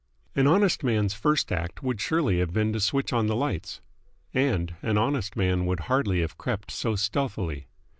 An honest man's first act would surely have been to switch on the lights. And an honest man would hardly have crept so stealthily.